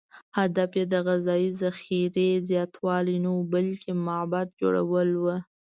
هدف یې د غذایي ذخیرې زیاتوالی نه و، بلکې معبد جوړول و.